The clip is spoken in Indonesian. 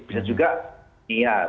bisa juga niat